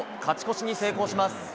勝ち越しに成功します。